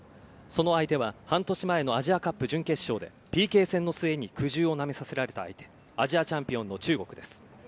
その相手は半年前のアジアカップ準決勝でＰＫ戦の末に苦汁をなめさせられた相手アジアチャンピオンの中国です。